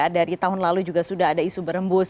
dari tahun lalu juga sudah ada isu berembus